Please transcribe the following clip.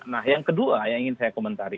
nah yang kedua yang ingin saya komentari